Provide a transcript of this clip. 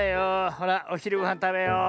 ほらおひるごはんたべよう。